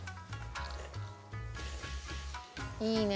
いいね